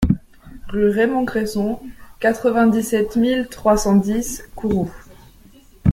Rue Raymond Cresson, quatre-vingt-dix-sept mille trois cent dix Kourou